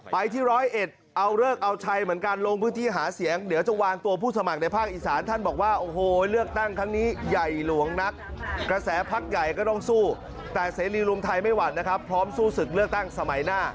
ไปที่ร้อยเอ็ดเอาเลิกเอาชัยเหมือนกันลงพื้นที่หาเสียง